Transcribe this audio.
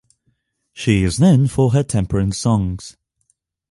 She is known for her temperance songs.